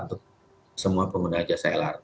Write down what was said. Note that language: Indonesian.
untuk semua pengguna jasa lrt